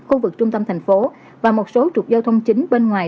khu vực trung tâm tp hcm và một số trục giao thông chính bên ngoài